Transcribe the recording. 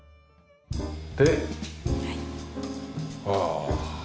でああ。